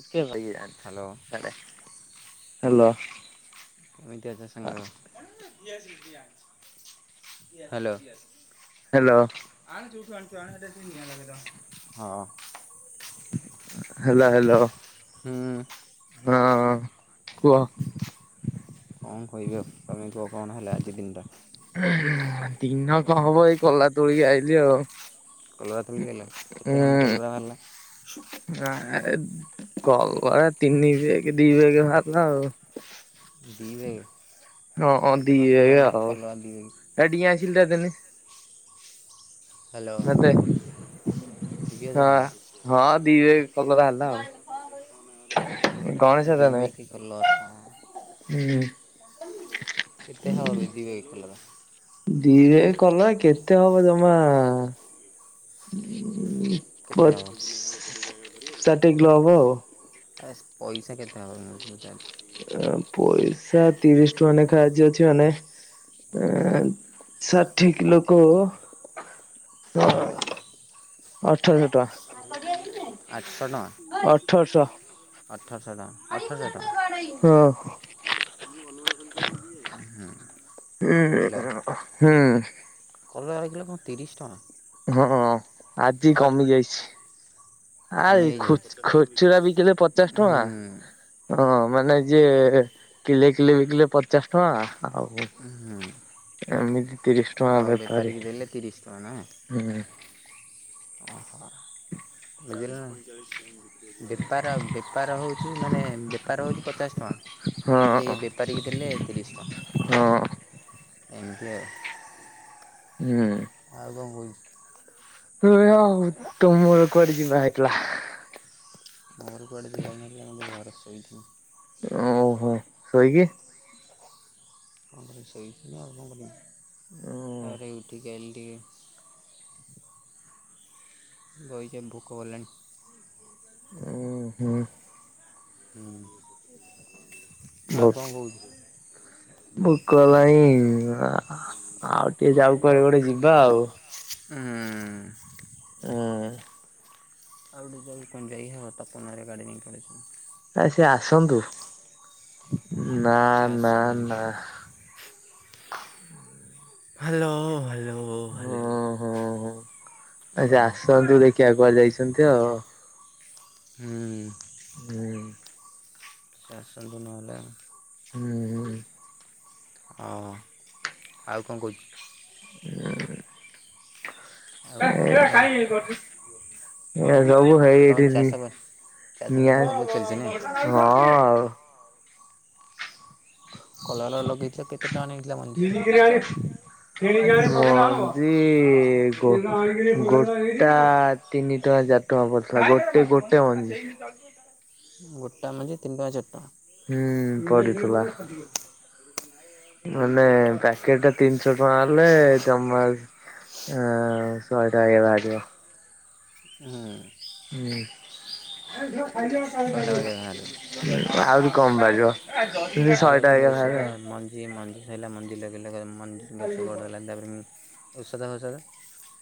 Okay ଭାଇ hello କେମିତି ଅଛ ସାଙ୍ଗ? ହ୍ୟାଲୋ। ହ୍ୟାଲୋ। ଆଣେ ଯୋଉଠୁ ଆଣୁଚୁ ଆଣେ ଆଗେ ଏଠି ନିଆଁ ଲଗେଇ ଦବା। ହେଲା ହ୍ୟାଲୋ। ହୁଁ। ହଁ କୁହ। କଣ କହିବି ଆଉ ତମେ କୁହ କଣ ହେଲା ଆଜି ଦିନଟା। ଦିନ କଣ ହବ ଏଇ କଲା ତୋଳିକି ଆଇଲିି ଆଉ। କଲରା ତୋଳିକି ଆଇଲ। କେତେ ଖଣ୍ଡେ କଲରା ବାହାରିଲା? ନାଆଁ ଏ କଲରା ତିନି ବେଗେ ଦି ବେଗେ ବାହାରିଲା ଆଉ। ଦିବେଗେ ହଁ କେତେ ଦି ଟଙ୍କା ବେଗ ହବ ଏଇନେ ଆଉ କଲରା ଦି ବେଗେ? ଏ ଡିଆସିଲ ଟା ଦେନି। ହ୍ୟାଲୋ ମତେ ଦି ହଁ ହଜାର ହବ ହଁ ଦି ବେଗେ କଲରା ହେଲା ଆଉ। ଗଣେଶ ଦାଦା ଦି ନୁହେଁ ବେଗେ କଲରା ହୁଁ। କେତେ ହବ ବେ ଦି ବେଗ୍ କଲରା? ଦି ବେଗ୍ କଲରା କେତେ ହବ ଜମା କେତେ ପ ହବ ଷାଠିଏ କିଲେ ହବ ଆଉ। ଆସ୍ ପଇସା କେତେ ହବ ମୁଁ ପୁଚାରୁଛି। ଆଁ ପଇସା ତିରିଶ ଟଙ୍କା ନେଖା ଆଜି ଅଛି ମାନେ ଆଁ ଷାଠିଏ କିଲୋ କୁ ହଁ ଅଠହଜାର ଟଙ୍କା। ଅଠରଶହ ଆଠଶ଼ ଟଙ୍କା। ଅଠରଶହ ଓ ହୋ। ମୁଁ ଅନୁମାନ କରି କହିଲି କି ଉଁ ହୁଁ। ହୁଁ ହୁଁ। କଲରା [unintelligible] କିଲୋ କଣ ତିରିଶ ଟଙ୍କା? ହଁ ଆଜି ହଟ୍ କମି ଯାଇଛି। ଆଇ କମିଯାଇ ଖୁଚୁ ଯାଇଛି ଖୁଚୁରା ବିକିଲେ ପଚାଶ ଟଙ୍କା ହୁଁ ହଁ ମାନେ ଯିଏ କିଲେ କିଲେ ବିକିଲେ ପଚାଶ ଟଙ୍କା ଆଉ ହୁଁ। ଏମିତି ତିରିଶ ଟଙ୍କା ଆଉ ବେପାରୀ ବେପାରିକି ଦେଲେ ତିରିଶ ହୁଁ। ଓହୋ [unintelligible] ପଇଁଚାଳିଶ ବେପାର ବେପାର ହେଉଛି ମାନେ ବେପାର ହେଉଛି ପଚାଶ ଟଙ୍କା କି ଦି ବେ ହଁ ବେପାରୀ କି ଦେଲେ ତିରିଶ ହଁ ଟଙ୍କା। ଏମିତି ଆଉ। ହୁଁ। ଆଉ କଣ [unintelligible] [unintelligible] ତମର କୁଆଡେ ଯିବା ହେଇଥିଲା? ଆମର କୁଆଡେ ଯିବା ହେଇନଥିଲା [unintelligible] ଘରେ ଶୋଇଥିଲି। ଓହୋ ଶୋଇକି ଆରେ ଉଠିକି ଆଇଲି ଟିକେ ଶୋଇଛି ଭୋକ କଲାଣି ଉ ହୁଁ। ହୁଁ। ଆଉ କଣ ବୋହୁତ କହୁଛୁ ବୋହୁତ। କଲାଣି ଆଉ ଟିକେ ଯାଉ କୁଆଡେ ଗୋଟେ ଯିବା ଆଉ। ହୁଁଉଁ। ହୁଁ। [unintelligible] ତପନ ହେରିକା ଗାଡ଼ି ନେଇକି ପଳେଇଛନ୍ତି ଆ ସିଏ ଆସନ୍ତୁ ନା ସେ ନା ଆସନ୍ତୁ ନା। ଦେଖିବା ହ୍ଯାଲୋ ହ୍ୟାଲୋ ହ୍ୟାଲୋ। କ ଆଜି ଆସନ୍ତୁ ଦେଖିଆ କୁୁଆଡେ ଯାଇଚନ୍ତି ଆଉ। ହୁଁ। ହୁଁ। ସେ ଆସନ୍ତୁ ନହେଲେ ଆ ହୁଁ। ହଁ ଆଉ କଣ କହୁଚୁ ହୁଁ। ଆଉ କଣ ତମେ ଆଉ ଏ ସବୁ ହେଇ ତମ ଏଠି ନି ଚାଷ ଚାଷ ବାସ ନିଆଁ ଭଲ ଚାଲିଛି ନା ହଁ ଆଉ କଲରା ଲଗେଇଛ କେତେ ଟଙ୍କା ନେଇଥିଲା ମଞ୍ଜି। ମଞ୍ଜି ଗୋଟା ତିନି ଟଙ୍କା ଚାରି ଟଙ୍କା ପଡ଼ିଥିଲା ଗୋଟେ ଗୋଟେ ମଞ୍ଜି। [inaudible] ଗୋଟା ମଞ୍ଜି ତିନିଟଙ୍କା ଚାରିଟଙ୍କା। ହୁଁ ପଡୁଥିଲା ମାନେ ପ୍ୟାକେଟ ଟା ତିନିଶହ ଟଙ୍କା ହେଲେ ଜମା ଆଁ ଶହେ ଟା ହେଇଗଲା ଆଜିର ହଁ। ହୁଁ। ଆହୁରି ଶହେଟା ବାଗିଆ ବାହାରିବ କମ ବାହାରିବ [unintelligible] ଶହେ ଟା ହେ ବାହାର ଆଉ ଯିଏ ମଞ୍ଜି ସଇଲା ମଞ୍ଜି ଲଗେଇଲା ମଞ୍ଜିର ଗଛ ବଡ଼ହେଲା ତାପରେ ମୁ ଔଷଧ ଫୌଷଧ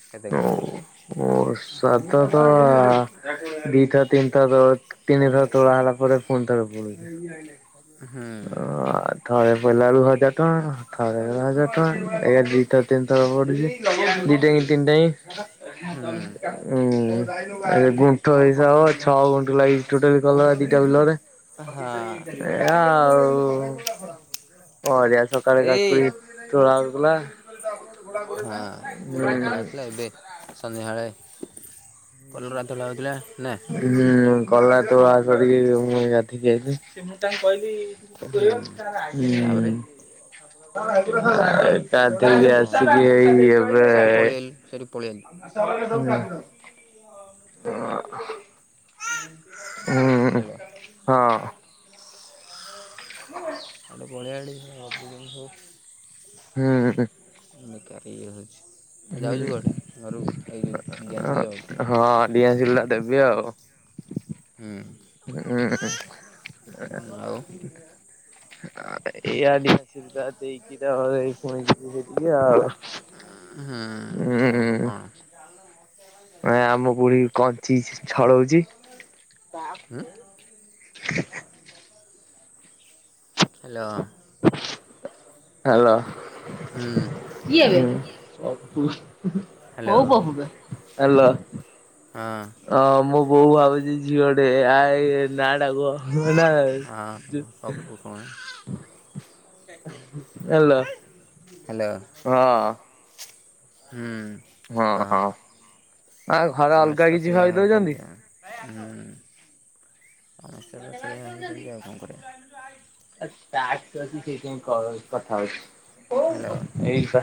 କେତେ କଣ ଲାଗିଲା ମୋ ସ୍ୱାଦ ତ ଦିଟା ତିନିଟା ଦବ। ତିନିଥର ତୋଳା ହେଲା ପରେ ପୁଣି ଥରେ ପଡୁଛି। ହୁଁ ଆଁ ଥରେ ପିଇଲା ବେଳକୁ ହଜାର ଟଙ୍କା। ଥରେକେରେ ହଜାର ଟଙ୍କା ଏୟା ଦିଥର ତିନି ଥର ପଡୁଛି ଦି ଟାଇମ୍ ତିନି ଟାଇମ୍। ହୁଁ ଉଁହୁଁ। ଗୁଣ୍ଠ ହିସାବ ଛଅ ଗୁଣ୍ଠ ଲାଗିଛି ଟୋଟାଲ୍ କଲରା ଦିଟା ବିଲରେ। ହଁ ଏୟା ଆଉ ପରିବା ସକାଳେ ଏଇ କାକୁଡି ତୋଳା ହୋଉଥିଲା। ହଁ କାକୁଡି ତୋଳା ହେଲା ଏବେ ସନ୍ଧ୍ୟାବେଳେ କଲରା ତୋଳା ହଉଥିଲା ନା ହୁଁ କଲରା ତୋଳା ସରିକି ମୁଁ ଗାଧେଇକି ଆଇଲି। ହୁଁ। ତାପରେ [unintelligible] ତାପରେ ଗାଧୋଇକି ଆସିକି ହେଇ [unintelligible] ଏବେ ସେଠୁ ପଳେଇ ଆଇଲି। [inaudible] ଜାଣିଛି। [unintelligible] ହଁ ହ୍ୟାଲୋ ହୁଁ-ହଁ। ଗୋଟେ ବଢ଼ିଆ ଏଡି ସେମାନେ ଗପୁଛନ୍ତି ସବୁ। ହୁଁ। ମୁ ବେକାରାରେ ଇଏ ହେଉଛି ଆଉ ଯାଉଛୁ ହୁଁ କୁଆଡେ ଘରୁକୁ ଏଇ ଯେଉ ଡିଆସିଲ ଦବାକୁ। ହଁ ଡିଆସିଲ୍ ଟା ଦେବି ଆଉ। ହୁଁ। ହୁଁ। ଆଉ ଏ ଆଦି। ଦେଇକି ଯାଅ ଏଇ ପୁଣି ଯିବ ସେ ଟିକେ ଆଉ। ହୁଁ ତାପରେ ହୁଁ କଣ ଏ ଆମ ବୁଢ଼ୀ କଞ୍ଚି ଛଡଉଛି। ହୁଁ ହ୍ୟାଲୋ। ହ୍ୟାଲୋ ହୁଁ କିଏବେ ପପୁ। Hello [unintelligible] hello. ହଁ ହଁ ମୋ ବୋଉ ଭାବୁଛି ଝିଅଟେ ଆ ଏ ନାଆଟା କୁହ। ମୋ ନାଁ ହଁ ପପୁ [unintelligible] ହାଲୋ। ହ୍ୟାଲୋ। ହଁ। ହୁଁ। ହଁ କହ ହ ଆ ଘରେ ଅଲଗା ସମସ୍ତେ କିଛି ସେଇଆ ହେଉଛନ୍ତି ଭାବିଦଉଛନ୍ତି। ଆଉ ହୁଁ ସମସ୍ତେ ତ ସେଇଆ ହଉଛନ୍ତି ଆଉ କଣ କରିବା। ଆଜି ଷ୍ଟାର୍ଟ କରିଚି ସେଇଥିପାଇଁ କଥା ହଉଚି। ହ୍ୟାଲୋ। ଏଇପା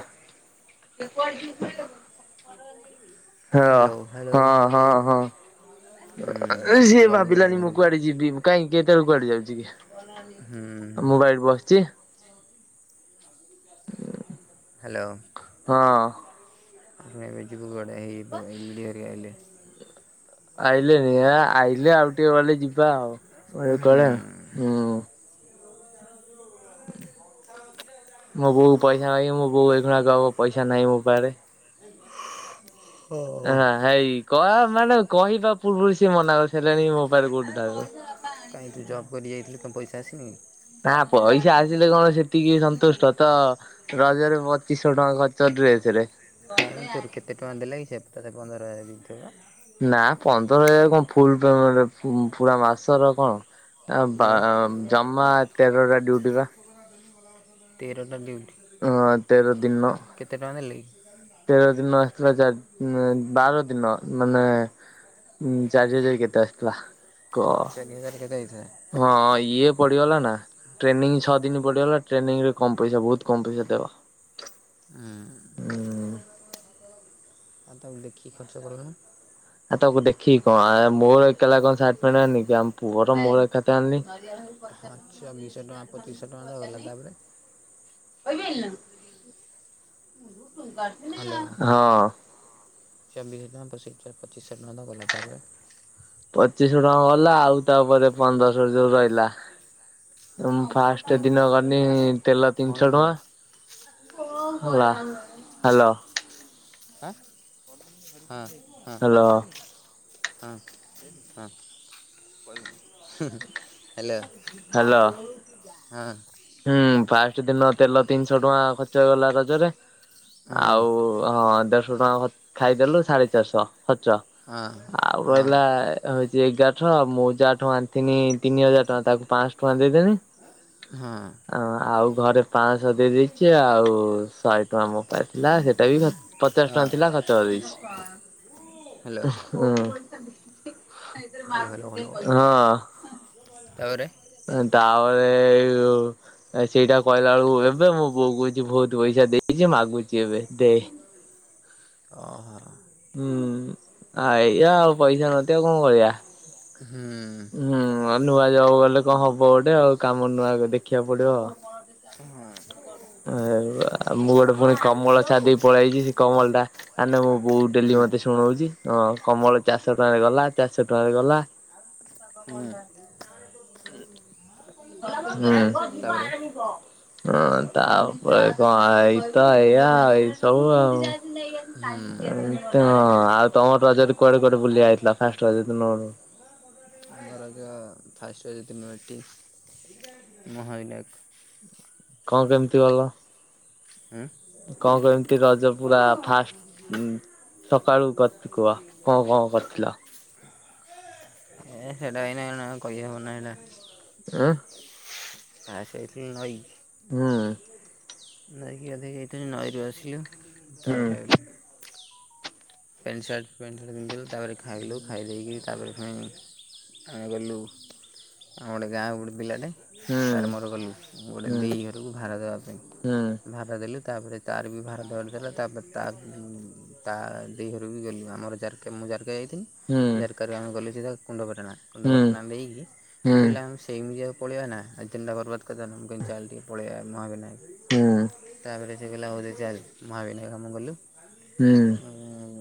ହ୍ୟାଲୋ ହ୍ୟାଲୋ ହ୍ୟାଲୋ ହଁ-ହଁ-ହଁ-ହଁ। ସିଏ ହୁଁ ଗଲୁ କୁଆଡ଼େ ଭାବିଲାନି ମୁଁ ଘରକୁ କୁଆଡେ ଯିବି କାଇଁ କେତେବେଳେ କୁଆଡେ ଯାଉଛି କି? ହୁଁ ମୁଁ ବା ଏଇ ବସିଛି। ହ୍ୟାଲୋ। ହଁ। ଏବେ ଯିବୁ କୁଆଡେ ଏଇ ଏଲିଡି ହେରି ଆଇଲେ? ଆଇଲେନି ଆ ଆଇିଲେ ଆଉ ଟିକେ ଗଲେ ଯିବା ଆଉ ହୁଁ କଣ ହୁଁ। ହଁ ମୋ ବୋଉକୁ ପଇସା ମାଗିବି ମୋ ବୋଉ ଏଇଖୁଣା କହିବ ପଇସା ନାହିଁ ମୋ ପାଖରେ। ଓହୋ ହୁଁ ହ ହେଇ କ ମାନେ କହିବା ପୂର୍ବରୁ ସିଏ ମନା କରିସାରିଲାନି ମୋ ପାରେ କୋଉଠି ନାହି ବୋଲି। କାହିଁ ତୁ ଜବ୍ କରି ଯାଇଥିଲୁ କଣ ପଇସ ଆସିନି କି? ନା ପଇସା ଆସିଲେ କଣ ସେତିକି ସନ୍ତୁଷ୍ଟ ତ ରଜରେ ପଚିଶହ ଟଙ୍କା ଖର୍ଚ୍ଚ ଡ୍ରେସରେ। କାହିଁକି ତୋର କେତେ ଟଙ୍କା ଦେଲା କି ସେ ପନ୍ଦର ହଜାର ଦେଇଥିବ ପା? ନା ପନ୍ଦର ହଜାର କଣ ଫୁଲ ପ୍ରେମେଣ୍ଟ ପୁରା ମାସର କଣ। ଆ ବା ଆଉ ଜମା ତେରଟା ଡ୍ୟୁଟି ପା। ତେରଟା ଡିଉଟି? ହଁ ତେର ଦିନର। କେତେ ଟଙ୍କା ଦେଲେକି? ତେର ଦିନ ଆସଥିଲା ଚାରି ବାର ଦିନ ମାନେ ଉୁଁ ଚାରି ହଜାର କେତେ ଆସିଥିଲା। କ ଚାରି ହଜାରେ କେତେ ଆଇଥିଲା? ହଁ ଇଏ ପଡିଗଲା ନା। ଟ୍ରେନିଂ ଛଅ ଦିନ ପଡିଗଲା ଟ୍ରେନିଂ ରେ କମ୍ ପଇସା ବହୁତ କମ ପଇସା ଦେବା ଉଁ ତାକୁ ଦେଖିକି ଖର୍ଚ୍ଚ କରନା। ଆଉ ତାକୁ ଦେଖିକି କଣ ଆ ମୋର ଏକଲା କଣ ସାର୍ଟ ପେଣ୍ଟ ଆଣିଲିକି ଆମ ପୁଅର ମୋର ଚାଲି ହଁ ଛବିଶହ ଟଙ୍କା ପଚିଶହ ଟଙ୍କା ଦ ଗଲା ତାପରେ ଭିଲ ନା। ହଁ। ଚବିଶ ଟଙ୍କା ପଚିଶ ପଚିଶ ଟଙ୍କା ଟ ଗଲା ତାପରେ ପଚିଶହ ଟଙ୍କା ଗଲା ଆଉ ତାପରେ ପନ୍ଦରଶ ଯୋଉ ରହିଲା। ତ ମୁଁ ଫାଷ୍ଟ ହୁଁ ଦିନ ଗଲି ତେଲ ମଣି ତିନିଶହ ସାଙ୍ଗରେ ଟଙ୍କା। ହେଲା ହ୍ୟାଲୋ? ଆ ହଁ ହ। ହ୍ୟାଲୋ ହଁ ହଁ ହୁଁ ହେଲୋ। ହ୍ୟାଲୋ। ହଁ। ହୁଁ ଫାଷ୍ଟ ଦିନ ତେଲ ତିନିଶହ ଟଙ୍କା ଖର୍ଚ୍ଚ ହେଇଗଲା ରଜରେ। ଆଉ ହଁ ହଁ ଦେଢ଼ଶହ ଟଙ୍କା ଖାଇଦେଲୁ ସାଢେ ଚାରିଶହ ଖର୍ଚ୍ଚ। ହଁ ଆଉ ରହିଲା ହଁ ହଉଛି ଏଗାର ମୁଁ ଯାଠୁ ଆଣିଥିନି ତିନି ହଜାର ଟଙ୍କା ତାକୁ ପାଞ୍ଚଶହ ଟଙ୍କା ଦେଇଦେନି। ହଁ। ଆ ଆଉ ଘରେ ପାଞ୍ଚଶହ ଦେଇ ଦେଇେଇଛି ଆଉ ଶହେ ଆମ ପାଇଁ ଥିଲା ସେଇଟା ବି ପଚାଶ ହଁ ଟଙ୍କା ଥିଲା ଖର୍ଚ୍ଚ କରିଦେଇଛି। ହ୍ୟାଲୋ ହ୍ୟାଲୋ ଉ ହ୍ୟାଲୋ ହ୍ୟାଲୋ ହ୍ୟାଲୋ ତାପରେ ତାପରେ ଏଇ ଯୋଉଁ ସେଇଟା କହିଲା ବେଳକୁ ଏବେ ମୋ ବୋଉ କୋଉଛି ପଇସା ଦେଇଛି ମାଗୁଛି ଏବେ ଦେ। ଓହୋ। ହୁଁଏଇଆ ଆଉ ପଇସା ନଥିବ ଆଉ କଣ କରିଵା। ହୁଁ। ହୁଁ ଆଉ ନୂଆ ଜବ ଗଲେ କଣ ହବ ଗୋଟେ ଆଉ କାମ ନୂଆ ଦେଖିବାକୁ ପଡିବ ଆଉ। ହୁଁ। ଉ ଆ ମୁଁ ଗୋଟେ ପୁଣି କମଳ ଛାଡି ଦେଇ ପଳେଇ ଆଇଛି ସେ କମଳଟା ମାନେ ମୁଁ ବୋଉ ହୁଁ ଡେଲି ମତେ ଶୁଣଉଛି ହ କମଳ ଚାରିଶହ ଟଙ୍କାରେ ଗଲା ଚାରିଶହ ଟଙ୍କାରେ ଗଲା। ହୁଁ ତାପରେ ହୁଁ। ହଁ ତାପରେ କଣ ହେଇଚି ତ ଏଇଆ ଏଇ ସବୁ ଆଉ। ହୁଁ ହଁ ହେଇତ ଆଉ ତମର ରଜ ରେ କୁଆଡେ କୁଆଡେ ବୁଲିବାକୁ ଯାଇଥିଲ ଫାଷ୍ଟ ରଜ ଦିନ? ଫାଷ୍ଟରଜ ଫାଷ୍ଟ ରଜ ଦିନ ଏଠି ମହାବିନାୟକ। କଣ କେମିତି ଗଲ? ଉଁ କଣ କେମିତି ରଜ ପୁରା ଫାଷ୍ଟ ସକାଳୁ କରି କୁହ କଣ କଣ କରିଥିଲ? ହେ ହେଈଟା ଏନା ଏଣା କହିହବନି ଏଣା। ଉଁ ନା ସେଇଠି ନଈଁ। ହୁଁ। ନାଇକିଗାଧେଇ ଯାଇଥୁଲୁ ନଈ ରୁ ଆସି ହୁଁ ତାପରେ ପ୍ୟାଣ୍ଟ ସାର୍ଟ ପ୍ୟାଣ୍ଟ ସାର୍ଟ ପିନ୍ଧିଲୁ ତାପରେ ଖାଇଲୁ ଖାଇ ଦେଇେଇକି ତା ପରେ ଫୁଣି ଆମେ ଗଲୁ ଆମ ଗୋଟେ ଗାଁ ଗୋଟେ ପିଲାଟେ ତାର୍ ମୋର ହୁଁ ଗଲୁ ଗୋଟେ ହୁଁ ଦେଇ ଘରକୁ ଭାର ଦେବା ପାଇଁ ଭାର ଦେଲୁ। ତାପରେ ତାର ବି ଭାର ଦେବାର ଥିଲା ତାପରେ ତା ତା ଦେଇ ଘରୁକୁ ବି ଗଲୁ ଆମର ଜାରକା ମୁଁ ଜାରକା ଯାଇଥିଲି ହୁଁ ଜାରକାରୁ ଆମେ ଗଲୁ ସିଧା କୁଣ୍ଡପାଟଣା ହୁଁ ହୁଁ କୁଣ୍ଡପାଟଣା ଦେଇକି ମୁଁ ହୁଁ କହିଲି ଆମେ ସେଇମିତି ଆଉ ପଳେଇଆ ନା ଆଜି ଦିନଟା ବର୍ବାଦ କରିଦେବା ନା ମୁଁ କହିଲି ଚାଲେ ଟିକେ ପଳେଇବା ମହାବିନାୟକ ହୁଁ ହୁଁ ତାପରେ ସେ କହିଲା ହଉ ଜିବା ଚାଲ ମହା ବିନାୟକ ଆମେ ଗଲୁ। ହୁଁ। ହଁ।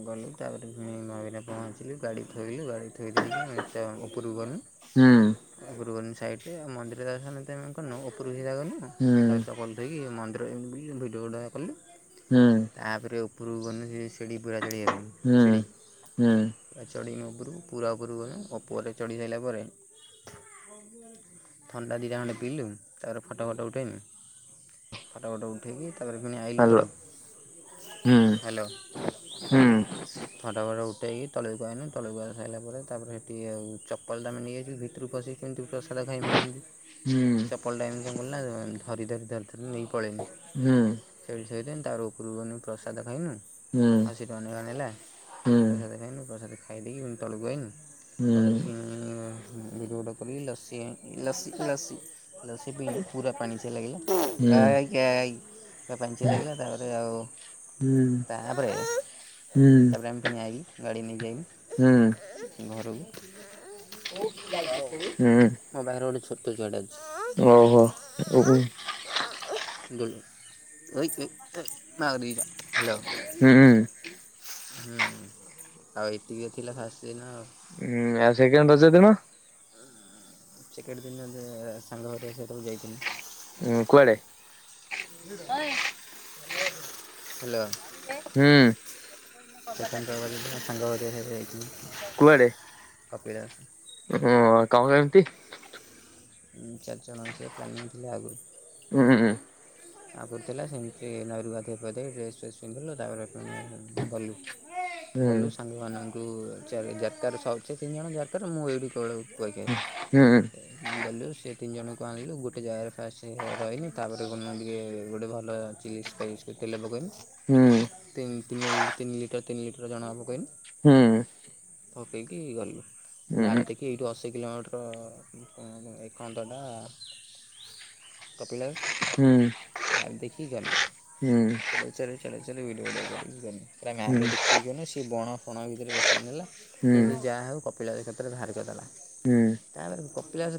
ଗଲୁ ତାପରେ ମହାବିନାୟକ ପହଞ୍ଚିଲୁ ଗାଡ଼ି ଥୋଇଲୁ ଗାଡ଼ି ଥୋଇ ଦେଇକି ଆମେ ଉପରକୁ ଗଲୁ। ହୁଁ। ତାପୁରୁକୁ ଗନୁ ସାଇଟରେ ମନ୍ଦିର ଦର୍ଶନ କନୁ ଉପରୁକୁ ସିଧାଗନୁ ହୁଁ ତାପରେ ଚପଲ ଥୋଇକି ମନ୍ଦିର ଏମିତି ବୁଲିଲୁ ଭିଡ଼ିଓ ଗୁଡ଼ା କଲି। ହୁଁ। ତାପରେ ଉପରକୁ ଗନୁ ଶିଡି ପୁରା ଚଢ଼ିବା ପାଇଁ ହୁଁ ଶିଡି ହୁଁ ପୁରା ଚଢ଼ିଗନୁ ଉପରକୁ ପୂରା ଉପରକୁ ଗନୁ ଉପରେ ଚଢ଼ି ସାରିଲା ପରେ ଥଣ୍ଡା ଦିଇଟା ଖଣ୍ଡେ ପିଇଲୁ ତାପରେ ଫଟୋ ଫଟୋ ଉଠେଇନୁ। ଫଟ ଫଟ ଉଠେକି ତାପରେ ଫୁଣି ଆଇଲୁ ହାଲୋ ତଳୁକୁ ହୁଁ ହ୍ୟାଲୋ। ହୁଁ। ଫଟ ଫୋଟୋ ଉଠେଇକି ତଳକୁ ଆଇଲୁ ତଳକୁ ଆଇସାଇଲା ପରେ ତାପରେ ସେଠି ଆଉ ଚପ ପଲ ତ ଆମେ ନେଇଯାଇଥିଲୁ ଭିତରୁ କୁ ପଶିକି କେମତି ପ୍ରସାଦ ଖାଇବୁ କେମିତି। ହୁଁ। ଚପଲ ଟା ଏମିତି କଣ କଲିନା ଧରି ଧରି ଧରି ଧରି ନେଇକି ପଳେଇନି। ହୁଁ। ସେଇଠି ଥୋଇଦେନି ତାପରେ ଉପରକୁ ଗନୁ ପ୍ରସାଦ ଖାଇନୁ। ହୁଁ ଅଶି ଟଙ୍କା ନେଖା ନେଲା ହୁଁ ପ୍ରସାଦ ଖାଇନୁ ପ୍ରସାଦ ଖାଇଦେଇକି ଫୁଣି ତଳକୁ ଆଇନୁ ତଳେ ହୁଁ ଫିଇ ଇଁ ବି ରୋଡ଼ କରି ଲସି ଲସି ଲସି ଲସି ପିଇଲୁ ପୁରା ପାଣି ଚିଆଁ ଲାଗିଲା ଏଇକ ଏଇକ ପୁରା ପାଣିଚିଆ ଲାଗିଲା ତାପରେ ଆଉ ହୁଁ। ତାପରେ ହୁଁ। ତାପରେ ଆମେ ଫେଣି ଆଇଲୁ ଗାଡ଼ି ନେଇକି ଆଇଲୁ ଘରକୁ ହୁଁ। ମୋ ପାଖରେ ଗୋଟେ ଛୋଟ ଛୁଆ ଟେ ଅଛି। ଓହୋ। ହାଲୋ। ହୁଁ। ହୁଁ ଆଉ ଏତିକି ତ ଥିଲା ଫାଷ୍ଟ ଦିନ ଆଉ। ହୁଁ ଆଉ ସେକେଣ୍ଡ ରଜ ଦିନ? ସେକେଣ୍ଡ ଦିନ ସାଙ୍ଗ ଘରିଆ ସେ ତାକୁ ଯାଇଥିଲୁ। ଉୁଁ କୁଆଡେ। ହ୍ୟାଲୋ। ହୁଁ। ସେକେଣ୍ଡ ରବିବାର ଦିନ ସାଙ୍ଗ ଘରିକା ସହିତ ଯାଇଥିଲି କୁଆଡେ? କପିଳାସ ହଁ କଣ ଏମିତି। ଚାରିଜଣ ସେ ପ୍ଲାନିଂ ଥିଲେ ଆଗରୁ। ହୁଁ। ଆଗୁରୁ ଥିଲା ସେମିତି ନଈରୁ ଗାଧେଇ ପଧେଇ ଡ୍ରେସ୍ ଫ୍ରେସ୍ ପିନ୍ଧିଲୁ ତାପରେ ପୁଣି ଗଲୁ। ଗଲୁ ସାଙ୍ଗ ମାନଙ୍କୁ ଯାର୍କାରେ ସହଜେ ତିନି ଜଣ ଯାର୍କାରେ ମୁଁ ଏଇଠି କେବଳ କୁଆଖିଆ। ହୁଁ ଗଲୁ ସେ ତିନି ଜଣଙ୍କୁ ଆଣିଲୁ ଗୋଟେ ଜାଗାରେ ଫାଷ୍ଟ ରହିନୁ ତାପରେ ଗୋଟେ ଭଲ ଚିଲ ସ୍ପାଇସ୍ ତେଲ ହୁଁ ପକେଇନି ତିନି ତିନି ଲିଟର ତିନି ଲିଟର ଜଣା କା ପକେଇଲୁ। ହଁ ପକେଇକି ଗଲୁ ମ୍ୟାପ୍ ହୁଁ ଦେଖି ଏଇଠୁ ଅଶୀ କିଲୋମିଟର ଏକାନ୍ତଟା କପିଳାସ। ହୁଁ। ମ୍ୟାପ୍ ଦେଖି ଗନୁ ହୁଁ ଚଲଇ ଚଲଇ ଚଲଇ ଚଲଇ ଲଡି ଭିଡ଼ିଓ ଫିଡିଓ କରିକି ଗନୁ ପୁରା ହୁଁ ଗା ସିଏ ବଣ ଫଣ ଭିତରେ ବସେଇକ ନେଲା ହୁଁ କିନ୍ତୁ ଯାହା ହେଉ କପିଳା କ୍ଷେତରେ ବାହାର କରିଦେଲା। ହୁଁ। ତାପରେ କପିଳାସ